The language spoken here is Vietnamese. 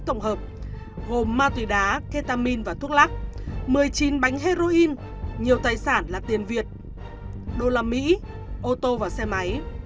tổng hợp gồm ma túy đá ketamin và thuốc lắc một mươi chín bánh heroin nhiều tài sản là tiền việt đô la mỹ ô tô và xe máy